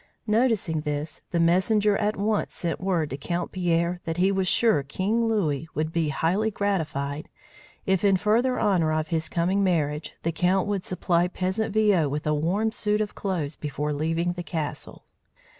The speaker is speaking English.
Noticing this, the messenger at once sent word to Count Pierre that he was sure King Louis would be highly gratified, if, in further honour of his coming marriage, the count would supply peasant Viaud with a warm suit of clothes before leaving the castle.